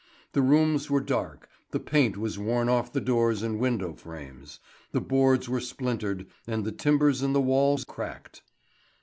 The rooms were dark, the paint was worn off the doors and window frames, the boards were splintered, and the timbers in the walls cracked.